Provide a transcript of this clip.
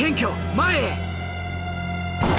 前へ！